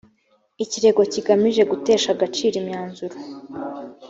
ikirego kigamije gutesha agaciro imyanzuro